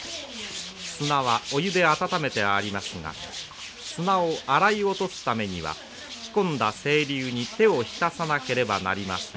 砂はお湯で温めてありますが砂を洗い落とすためには引き込んだ清流に手を浸さなければなりません。